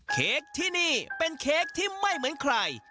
เค้กที่นี่เป็นเค้กที่ไม่เหมือนใคร